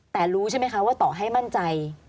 แต่รู้ใช่ไหมคะว่าต่อให้มั่นใจ